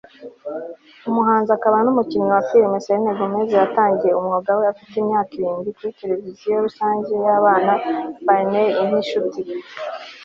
Umuhanzi akaba numukinnyi wa filime Selena Gomez yatangiye umwuga we afite imyaka irindwi kuri televiziyo rusange yabana Barney ninshuti